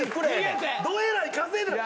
どえらい稼いでない。